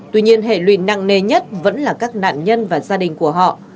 tuy nhiên hệ lụy nặng nề nhất vẫn là các nạn nhân và gia đình của họ